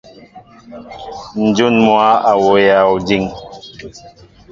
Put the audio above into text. Njŭn mwă a wowya ojiŋ.